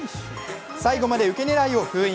最後までウケ狙いを封印。